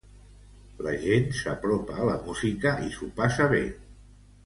La gent s'apropa a la música i s'ho passa bé.